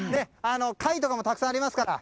貝とかもたくさんありますから